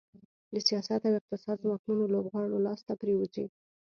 د سیاست او اقتصاد ځواکمنو لوبغاړو لاس ته پرېوځي.